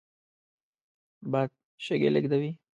باد شګې لېږدوي